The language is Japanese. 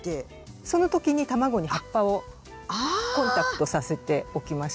その時に卵に葉っぱをコンタクトさせておきました。